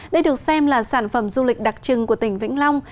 đây được xem là sản phẩm du lịch đặc trưng của tỉnh vĩnh long